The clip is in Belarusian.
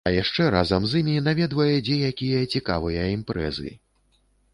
А яшчэ разам з імі наведвае дзе-якія цікавыя імпрэзы.